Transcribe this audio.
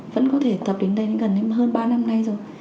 vẫn có thể tập đến đây gần hơn ba năm nay rồi